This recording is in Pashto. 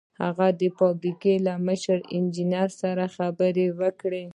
هغه د فابریکې له مشر انجنیر سره خبرې وکړې